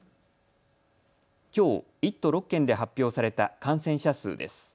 きょう、１都６県で発表された感染者数です。